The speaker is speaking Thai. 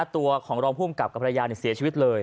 ตัวของรองภูมิกับกับภรรยาเสียชีวิตเลย